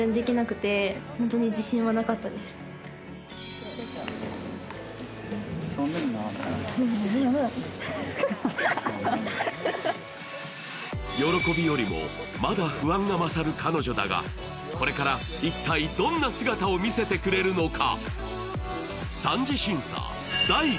更にしかし、その裏では喜びよりもまだ不安が勝る彼女だがこれから一体、どんな姿を見せてくれるのか。